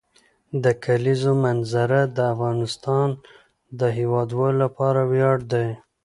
د کلیزو منظره د افغانستان د هیوادوالو لپاره ویاړ دی.